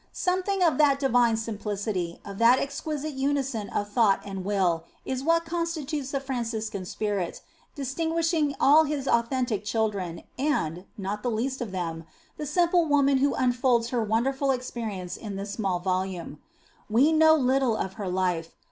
Something of that divine simplicity, of that exquisite unison of thought and will, is what constitutes the Franciscan spirit, distinguishing all his authentic children and, not least of them, the simple woman who unfolds her wonderful experiences in this small volume. We know little of her life.